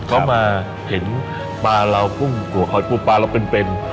เขามาเห็นปลาเราปลูกปลาเราเป็น